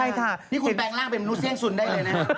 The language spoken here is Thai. ก็คิดว่าอันนี้คุณแปลงร่างเป็นมนุษย์เชี่ยงสุนได้เลยนะ